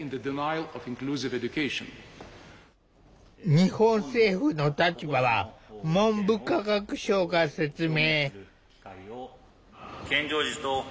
日本政府の立場は文部科学省が説明。